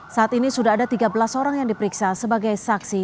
saat ini sudah ada tiga belas orang yang diperiksa sebagai saksi